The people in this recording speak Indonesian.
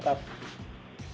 jadi ini sudah mengungkap